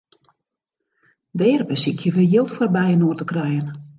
Dêr besykje we jild foar byinoar te krijen.